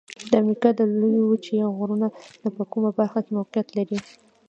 د امریکا د لویې وچې غرونه په کومه برخه کې موقعیت لري؟